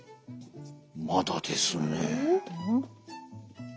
まだですね。